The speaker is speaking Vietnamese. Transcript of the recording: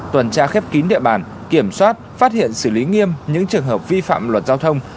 tuần tra khép kín địa bàn kiểm soát phát hiện xử lý nghiêm những trường hợp vi phạm luật giao thông